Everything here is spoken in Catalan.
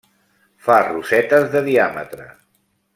Fa rosetes de diàmetre.